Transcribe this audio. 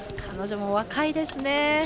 彼女も若いですね。